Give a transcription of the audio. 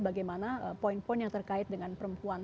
bagaimana poin poin yang terkait dengan perempuan